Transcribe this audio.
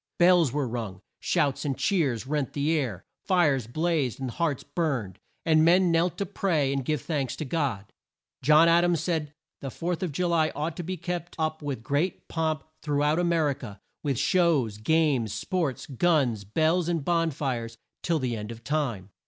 Bells were rung. Shouts and cheers rent the air. Fires blazed, and hearts burned, and men knelt to pray, and give thanks to God. John Ad ams said the Fourth of Ju ly ought to be kept up with great pomp through out A mer i ca, "with shows, games, sports, guns, bells, and bon fires" till the end of time.